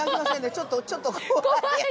ちょっとちょっと怖い。